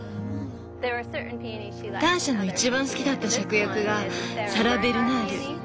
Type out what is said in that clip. ターシャの一番好きだったシャクヤクがサラベルナール。